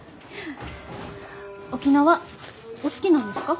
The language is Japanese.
沖縄お好きなんですか？